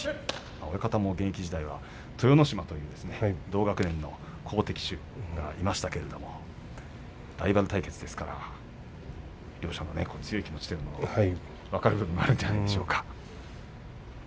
親方も現役時代は豊ノ島という同学年の好敵手がいましたけれどもライバル対決ですからね。両者の強い気持ちというのも分かる部分あるんじゃないでしょうか。